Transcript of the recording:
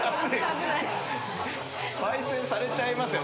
焙煎されちゃいますよ